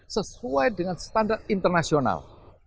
sesuai dengan standar internasional